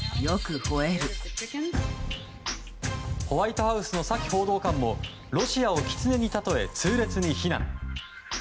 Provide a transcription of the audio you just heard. ホワイトハウスのサキ報道官もロシアをキツネに例え痛烈に非難。